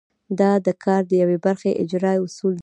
دا د کار د یوې برخې اجرا اصول دي.